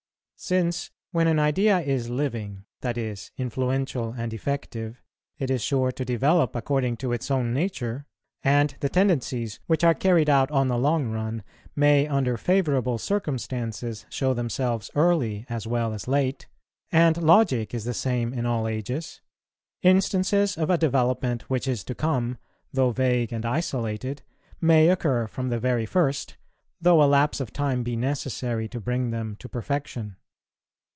Since, when an idea is living, that is, influential and effective, it is sure to develope according to its own nature, and the tendencies, which are carried out on the long run, may under favourable circumstances show themselves early as well as late, and logic is the same in all ages, instances of a development which is to come, though vague and isolated, may occur from the very first, though a lapse of time be necessary to bring them to perfection.